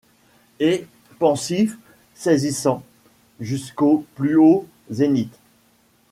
Et, pensifs ; saisissant, jusqu’aux plus hauts zéniths